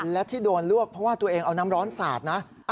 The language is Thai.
และที่โดนลวกเพราะว่าตัวเองเอาน้ำร้อนสาดนะ